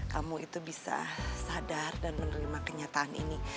kamu itu bisa sadar dan menerima kenyataan ini